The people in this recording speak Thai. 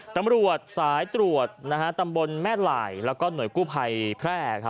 ตำรวจสายตรวจตำบลแม่หลายแล้วก็หน่วยกู้ภัยแพร่